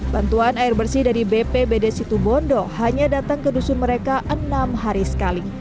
bantuan air bersih dari bpbd situbondo hanya datang ke dusun mereka enam hari sekali